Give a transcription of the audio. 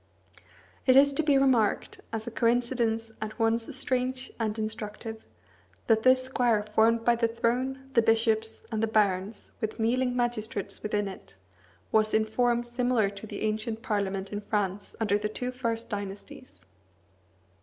It is to be remarked, as a coincidence at once strange and instructive, that this square formed by the throne, the bishops, and the barons, with kneeling magistrates within it, was in form similar to the ancient parliament in France under the two first dynasties.